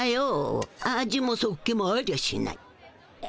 味もそっけもありゃしない。